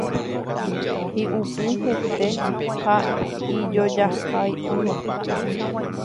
Hi'upy hete ha ijojaha'ỹva